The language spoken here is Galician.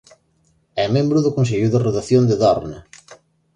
É membro do consello de redacción de "Dorna".